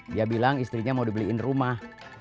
dia bilang istrinya mau dibeliin rumah